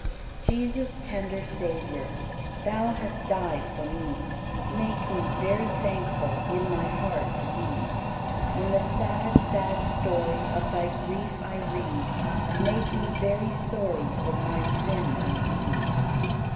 103. Jesus, tender Savior, Thou hast died for me; Make me very thankful In my heart to Thee. When the sad, sad story Of Thy grief I read, Make me very sorry For my sins indeed.